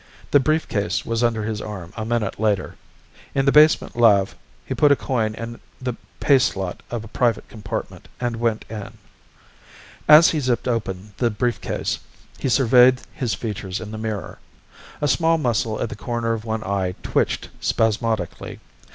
The briefcase was under his arm a minute later. In the basement lave he put a coin in the pay slot of a private compartment and went in. As he zipped open the briefcase he surveyed his features in the mirror. A small muscle at the corner of one eye twitched spasmodically.